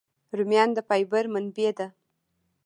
رومیان د فایبر منبع دي